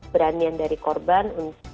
beranian dari korban